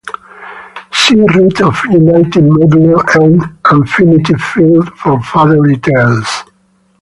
See Root of unity modulo "n" and Finite field for further details.